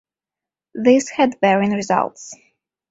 This had varying results.